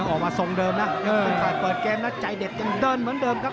ออกมาทรงเดิมนะยังเป็นฝ่ายเปิดเกมนะใจเด็ดยังเดินเหมือนเดิมครับ